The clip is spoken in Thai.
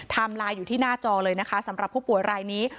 ไลน์อยู่ที่หน้าจอเลยนะคะสำหรับผู้ป่วยรายนี้